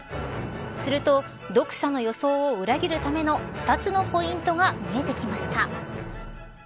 すると読者の予想を裏切るための２つのポイントが見えてきました。